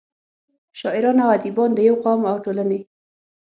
شاعران او اديبان دَيو قام او ټولنې